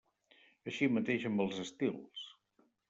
Així mateix amb els estils.